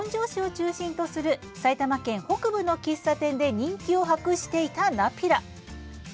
４０年程前、本庄市を中心とする埼玉県北部の喫茶店で人気を博していたナピラ。